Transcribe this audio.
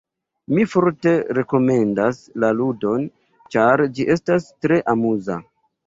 Mi forte rekomendas la ludon, ĉar ĝi estas tre amuza.